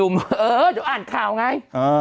เดี๋ยวอ่านข่าวไง